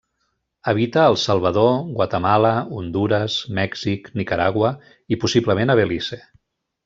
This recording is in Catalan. Habita al Salvador, Guatemala, Hondures, Mèxic, Nicaragua i possiblement a Belize.